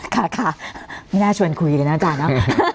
ค่ะค่ะไม่น่าชวนคุยกันนะอาจารย์เนอะ